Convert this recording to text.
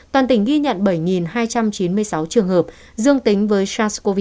toàn tỉnh ghi nhận bảy hai trăm chín mươi sáu trường hợp dương tính với sars cov hai